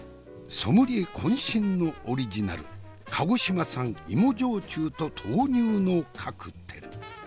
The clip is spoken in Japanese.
ソムリエこん身のオリジナル鹿児島産芋焼酎と豆乳のカクテル。